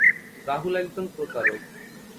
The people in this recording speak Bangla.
রাহুল একজন প্রতারক!